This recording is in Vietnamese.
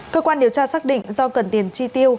cơ quan điều tra xác định do cần tiền chi tiêu